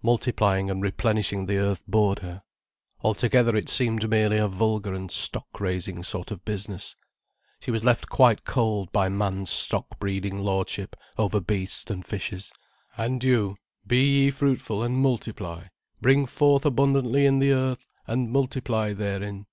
Multiplying and replenishing the earth bored her. Altogether it seemed merely a vulgar and stock raising sort of business. She was left quite cold by man's stock breeding lordship over beast and fishes. "And you, be ye fruitful and multiply; bring forth abundantly in the earth, and multiply therein."